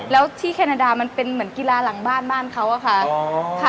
แล้วที่แคนาดามันเป็นเหมือนกีฬาหลังบ้านบ้านเขาอะค่ะ